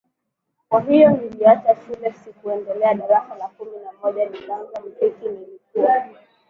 Kwahiyo niliacha shule si kuendelea darasa la kumi na moja Nikaanza muziki Nilikuwa